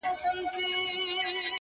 زما د زړه ډېوه روښانه سي!!